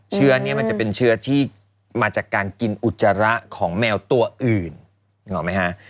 เชื้อนี้มันจะเป็นเชื้อที่มาจากการกินอุจจาระของแมวตัวอื่นนึกออกไหมฮะ